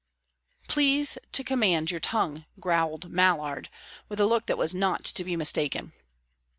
"Please to command your tongue," growled Mallard, with a look that was not to be mistaken.